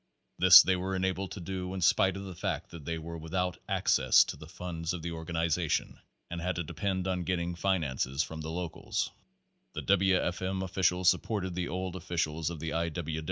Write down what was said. This they were enabled to do in spite of the fact that they were without access to the funds of the organization, and had to depend on getting finances from the locals. The W. F. M. officials supported the old officials of the I.